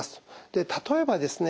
例えばですね